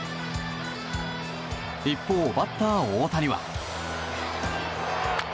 一方、バッター大谷は。